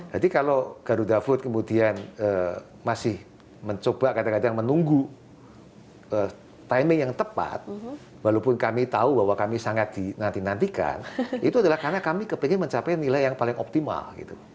jadi kalau garuda food kemudian masih mencoba kadang kadang menunggu timing yang tepat walaupun kami tahu bahwa kami sangat dinantikan itu adalah karena kami kepingin mencapai nilai yang paling optimal